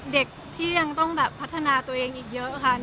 เด็กที่ยังต้องแบบพัฒนาตัวเองอีกเยอะค่ะ